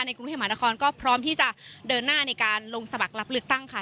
กรุงเทพมหานครก็พร้อมที่จะเดินหน้าในการลงสมัครรับเลือกตั้งค่ะ